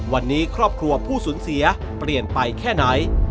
วันนี้ครอบครัวผู้สูญเสียเปลี่ยนไปแค่ไหน